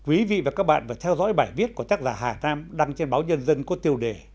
quý vị và các bạn vừa theo dõi bài viết của tác giả hà nam đăng trên báo nhân dân có tiêu đề